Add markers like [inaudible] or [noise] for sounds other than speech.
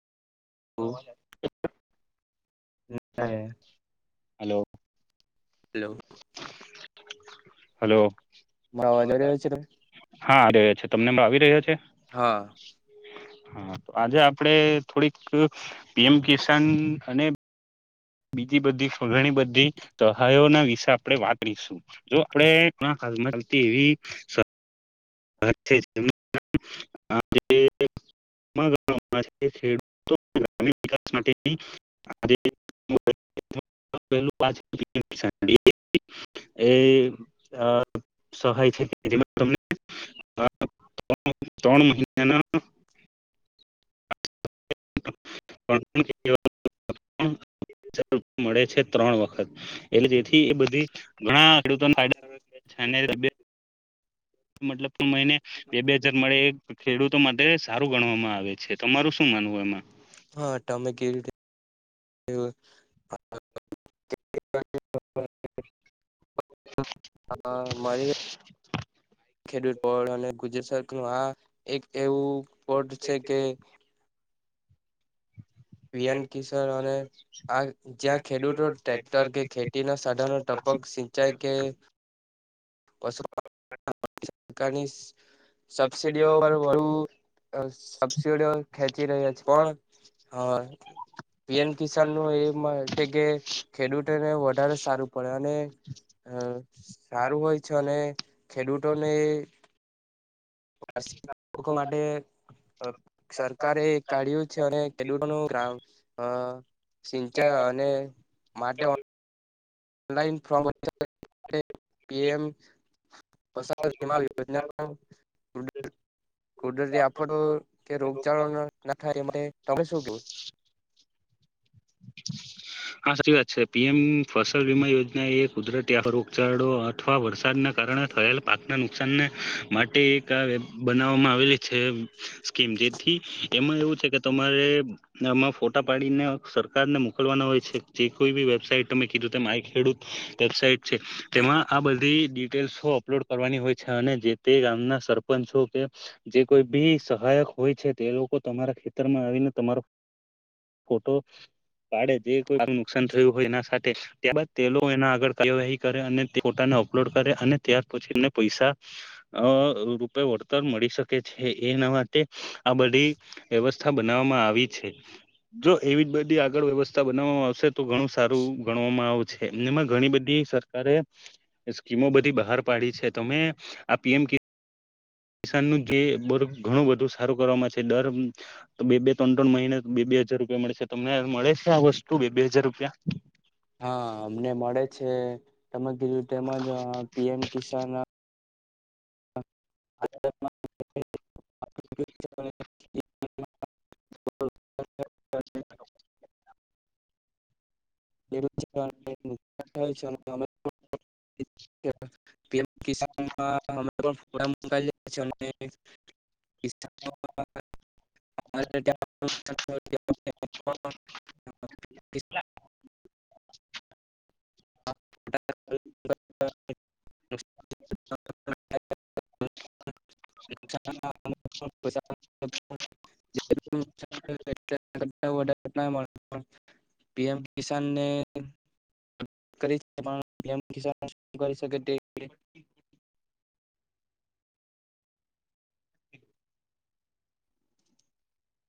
હમ હ hello hello hello અવાજ આવી રહ્યો છે તમને? હા આવી રહ્યો છે તમને આવી રહ્યો છે. હા. હા તો આજે આપડે થોડીક પીએમ કિસાન અને બીજી બધી ઘણી બધી સહાયોના વિશે આપણે વાત શ જો આપે ઘણા એ ગમાં ખેડૂતો ગ વિકાસ માટેની ું એ અ સહાય છે તમને હા્ર ત્રણ મહિનાના મળે છે ત્રણ વખત એટલે જેથી એ બધી ઘણા ખેડૂતોના મતલબ મહિને બે બે હજાર મળે એ ખેડૂતો માટે સારું ગણવામાં આવે છે. તમારું શું માનવું એમાં હા ટમેકી એવ હા મારી ખેડૂતળ અને ગુજરાત નું આ એક એવું પોટ છે કે પીએન કિશોર અને આ જ્યાં ખેડૂતો ટ્રેક્ટર કે ખેતીના સાધનો ટપક જાય કે કોની સબસીિડીઓ પર બુ સબસીિડીઓ ખેંચી રહ્યા છે પણ હા પીન કિસાન ન એ છે કે ખેડૂતોને વધારે સારું પડે અને હમ સારું હોય છે અને ખેડૂતોને લોકો માટે સરકારે એ કાઢ્યું છે અને ખેડૂતોનું ગામ સિંચાઈ અને માટે ઓલાઇન ફમ પી એમ સાર બીમા યોજના કુદરતી આપડ કે રોગચળ ના થાય એ માટે તમે શું કેવું [inaudible] હા સાચી વાત છે. પીએમ ફસલ વીમા યોજના એ કુદરતી આ રોગચળો અથવા વરસાદના કારણે. થયેલ પાકના નુકસાન ને માટે એક આ વેબ બનાવવામાં આવેલી છે. સ્કીમ જેથી એમાં એવું છે કે તમારે. એમાં ફોટા પાડીને સરકારને મોકલવાના હોય છે, જે કોઈ બી વેબસાઈટ તમે કીધું તેમ માય ખેડૂત. વેબસાઇટ છે. તેમાં આ બધી ડિટેલ્સ હો. અપલોડ કરવાની હોય છે, અને જે તે ગામના સરપંચો કે. જે કોઈ બી સહાયક હોય છે. તે લોકો તમારા ખેતરમાં આવીને તમારો. ફોટો પાડે. જે કોઈ. થયું હોય એના સાથે ત્યારબાદ તે એના આગળ કાર્યવાહી કરે અને ફોટાને અપલોડ કરે અને ત પછી એને પૈસા. અ રૂપે વળતર મળી શકે છે. એના માટે આ બધી. વ્યવસ્થા બનાવવામાં આવી છે. જો એવી જ બધી આગળ વ્યવસ્થા બનાવવામાં આવશે તો ઘણું સારું ગણવામાં આવ છે. એમનેમાં ઘણી બધી. સરકરે સ્કીમો બધી બહાર પાડી છે તોમે આ પીએમ કિસાનનું જે બર્ગ ઘણું બધું સારું કરવામાં છે. દર તો બે - બે, ત્રણ- ત્રણ મહિને બે - બે હાજાર રૂપિયા મળે છે. તમને મળે છે આ વસ્તુ બે - બે હજાર રૂપિયા? હા અમને મળે છે. તમે કીધું તેમજ પીએમ કિસાન [unintelligible] [inaudible] [unintelligible] [unintelligible] પીએમ કિસાનમાં [unintelligible] [unintelligible] [inaudible] [inaudible] જે [inaudible] [unintelligible] પીએમ કિસાનને કરીમ કરી શકે પણ પીએમ કિસાન [unintelligible] તે